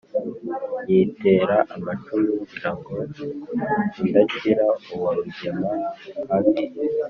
nyitera amacumu ngira ngo idakira uwa rugemahabi,